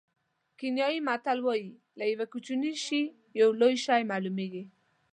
کینیايي متل وایي له یوه کوچني شي یو لوی شی معلومېږي.